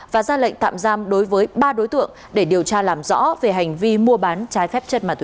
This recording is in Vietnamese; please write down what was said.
và ra lệnh tạm giam đối với ba đối tượng để điều tra làm rõ về hành vi mua bán trái phép chất ma túy